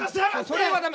それは駄目